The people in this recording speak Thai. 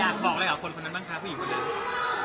อยากบอกอะไรกับคนคนนั้นบ้างคะผู้หญิงคนนั้น